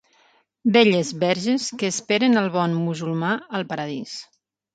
Belles verges que esperen el bon musulmà al paradís.